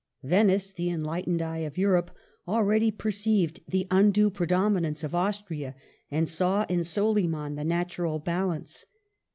Venice, the enlightened eye of Europe, already perceived the undue predominance of Austria, and saw in Soliman the natural balance.